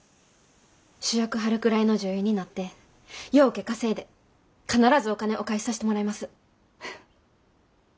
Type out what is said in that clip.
主役張るくらいの女優になってようけ稼いで必ずお金お返しさしてもらいます。